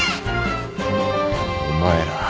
お前ら。